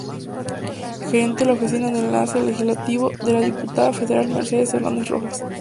Gerente de la Oficina de Enlace Legislativo de la Diputada Federal Mercedes Hernández Rojas.